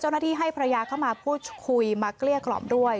เจ้าหน้าที่ให้ภรรยาเข้ามาพูดคุยมาเกลี้ยกกล่อมด้วย